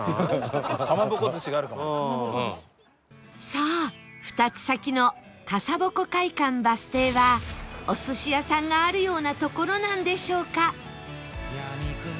さあ２つ先の笠鉾会館バス停はお寿司屋さんがあるような所なんでしょうか？